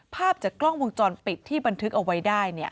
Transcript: ภาพจากกล้องวงจรปิดที่บันทึกเอาไว้ได้